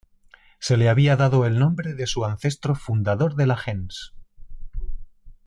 Se le había dado el nombre de su ancestro fundador de la gens.